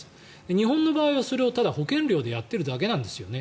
日本の場合はそれを保険料でやっているだけなんですよね。